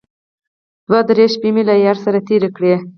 دوه درې شپې مې له ياره سره تېرې کړې.